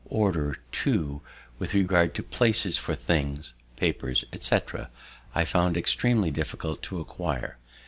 Order, too, with regard to places for things, papers, etc., I found extreamly difficult to acquire.